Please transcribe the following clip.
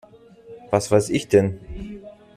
Was weiß ich denn?